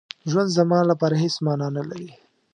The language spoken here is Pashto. ژوند زما لپاره هېڅ مانا نه لري.